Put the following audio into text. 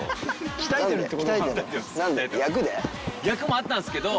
役もあったんすけど。